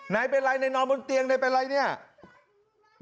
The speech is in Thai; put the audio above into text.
นายเป็นอะไรนายนอนบนเตียงในเป็นอะไรเนี่ยมันเป็นอะไร